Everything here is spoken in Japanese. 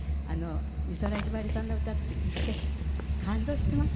美空ひばりさんの歌って、聞いて感動してます。